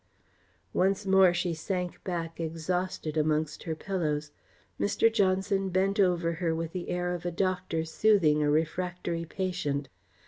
Once more she sank back, exhausted, amongst her pillows. Mr. Johnson bent over her with the air of a doctor soothing a refractory patient.